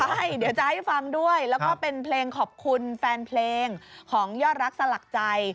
ใช่เดี๋ยวจะให้ฟังด้วยแล้วก็เป็นเพลงขอบคุณแฟนเพลงของยอดรักสลักใจ